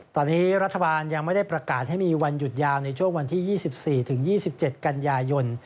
ตอนนี้รัฐบาลยังไม่ได้ประกาศให้มีวันหยุดยาวในช่วงวันที่๒๔ถึง๒๗กันยายน